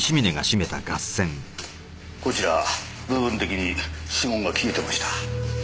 こちら部分的に指紋が消えていました。